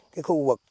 cái khu vực